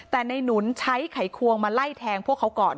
แต่ในหนุนใช้ไขควงมาไล่แทงพวกเขาก่อน